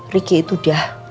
riki itu udah